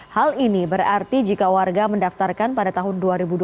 hal ini berarti jika warga mendaftarkan pada tahun dua ribu dua puluh